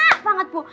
banyak banget bu